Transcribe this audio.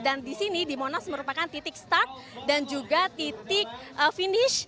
dan di sini di monas merupakan titik start dan juga titik finish